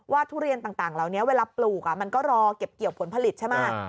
ว่าทุเรียนต่างเวลาปลูกเขามันก็รอเก็บเกี่ยวผลผลิตใช่ไหม